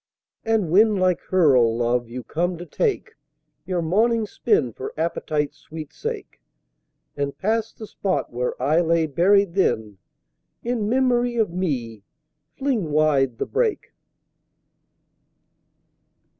And when, like her, O Love, you come to take Your morning spin for Appetite's sweet sake, And pass the spot where I lay buried, then, In memory of me, fling wide the Brake!